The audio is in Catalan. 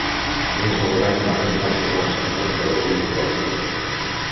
A més, el govern alemany va acusar els tenors d'evasió d'impostos.